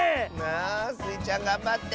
あスイちゃんがんばって！